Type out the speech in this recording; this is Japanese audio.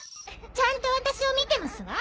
「ちゃんとワタシを見てますわ」